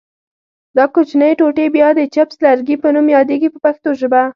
دا کوچنۍ ټوټې بیا د چپس لرګي په نوم یادیږي په پښتو ژبه.